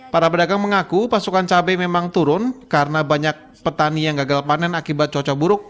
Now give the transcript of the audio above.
para pedagang mengaku pasokan cabai memang turun karena banyak petani yang gagal panen akibat cocok buruk